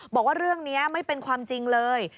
บอกว่าเรื่องนี้ไม่เป็นความจริงเลย